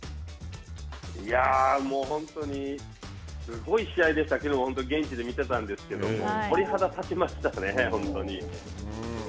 いや、もう本当にすごい試合でしたけど、現地で見てたんですけれども、鳥肌が立ちましたね、本当に。